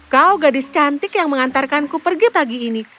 kau gadis cantik yang mengantarkanku pergi pagi ini